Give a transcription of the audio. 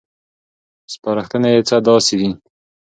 سپارښتنې یې څه داسې دي: